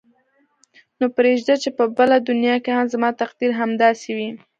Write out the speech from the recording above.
نو پرېږده چې په بله دنیا کې هم زما تقدیر همداسې وي.